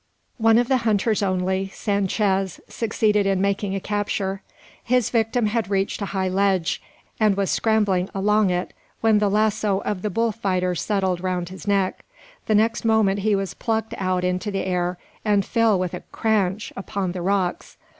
One of the hunters only Sanchez succeeded in making a capture. His victim had reached a high ledge, and was scrambling along it, when the lasso of the bull fighter settled round his neck. The next moment he was plucked out into the air, and fell with a "cranch" upon the rocks!